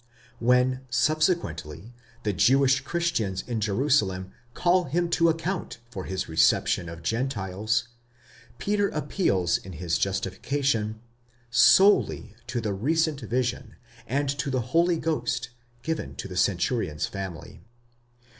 When, subsequently, the Jewish Christians in Jerusalem call him to account for this reception of Gentiles, Peter appeals in his justification solely to the recent vision, and to the Holy Ghost given to the centurion's family.